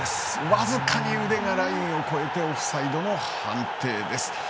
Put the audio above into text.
僅かに腕がラインを越えてオフサイドの判定です。